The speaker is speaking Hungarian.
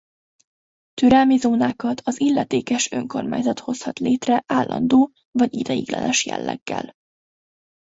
Türelmi zónákat az illetékes önkormányzat hozhat létre állandó vagy ideiglenes jelleggel.